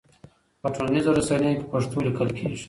په ټولنيزو رسنيو کې پښتو ليکل کيږي.